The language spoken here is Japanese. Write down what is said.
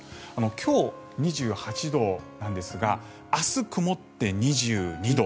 今日、２８度なんですが明日、曇って２２度。